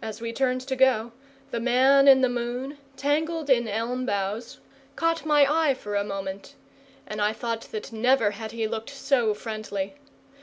As we turned to go, the man in the moon, tangled in elm boughs, caught my eye for a moment, and I thought that never had he looked so friendly.